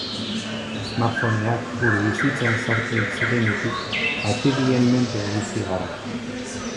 Smartphoneak gure bizitzan sartu zirenetik, baterien menpe bizi gara.